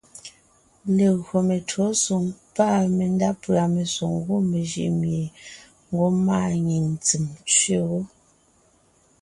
Legÿo metÿǒsoŋ pâ mendá pʉ̀a mesoŋ gwɔ̂ mejʉʼ mie ngwɔ́ maanyìŋ ntsèm tsẅe wó;